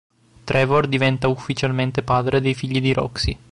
Trevor diventa ufficialmente padre dei figli di Roxy.